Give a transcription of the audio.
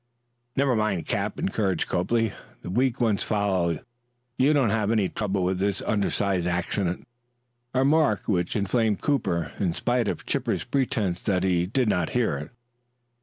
"Never mind, cap," encouraged Copley; "the weak ones follow. You won't have any trouble with this undersized accident." A remark which inflamed Cooper, in spite of Chipper's pretense that he did not hear it.